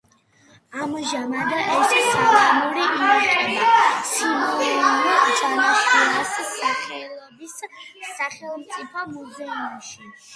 ამჟამად ეს სალამური ინახება სიმონ ჯანაშიას სახელობის სახელმწიფო მუზეუმში.